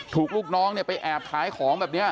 ถูกลูกน้องไปแอบขายของแบบนี้